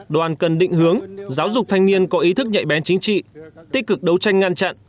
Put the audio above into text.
đoàn cần định hướng giáo dục thanh niên có ý thức nhạy bén chính trị tích cực đấu tranh ngăn chặn